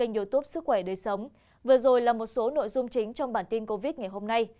vừa rồi là một số nội dung chính trong bản tin covid ngày hôm nay